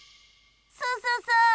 そうそうそう！